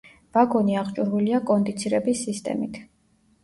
ვაგონი აღჭურვილია კონდიცირების სისტემით.